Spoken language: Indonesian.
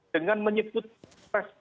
dengan menyebut pres